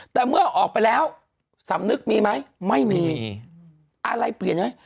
แต่เมื่อออกไปแล้วสำนึกมีไหมไม่มีอะไรเปลี่ยนไหม